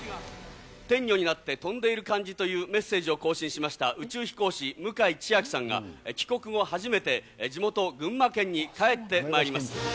天女になって飛んでいる感じというメッセージを更新しました宇宙飛行士、向井千秋さんが帰国後、初めて地元群馬県に帰ってまいります。